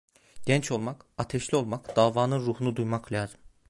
Genç olmak, ateşli olmak, davanın ruhunu duymak lazım.